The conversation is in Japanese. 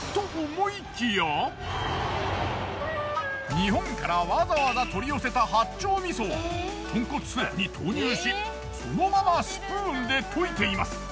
日本からわざわざ取り寄せた八丁味噌を豚骨スープに投入しそのままスプーンで溶いています。